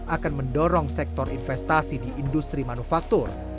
akan mendorong sektor investasi di industri manufaktur